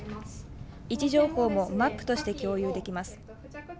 位置情報もマップとして共有できます。